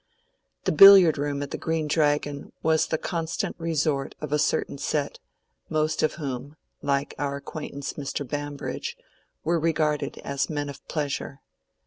The billiard room at the Green Dragon was the constant resort of a certain set, most of whom, like our acquaintance Mr. Bambridge, were regarded as men of pleasure.